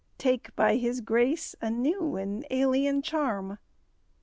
Take by his grace a new and alien charm.